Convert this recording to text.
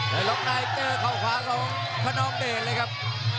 แล้วล๊อคไนเตอร์เข้าขวาของพ่อน้องเด่นเลยครับ